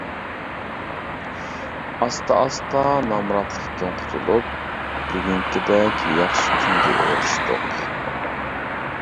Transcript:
ئاستا-ئاستا نامراتلىقتىن قۇتۇلۇپ، بۈگۈنكىدەك ياخشى كۈنگە ئېرىشتۇق.